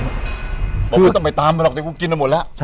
บอกว่าไม่ต้องไปตามมันหรอกเดี๋ยวก็กินมันหมดแล้ว